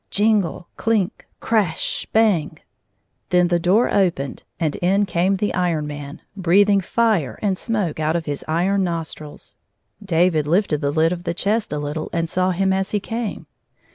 Jingle ! cUnk ! crash ! hang ! then the door opened, and in came the Iron Man, hreathing fire and smoke out of his iron nostrils. David lifted the lid of the chest a little and saw him as he came.